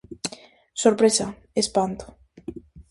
Sorpresa, espanto.